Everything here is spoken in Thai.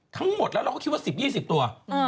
ทั้งหมดแล้วเราก็คิดว่า๑๐๒๐ตัว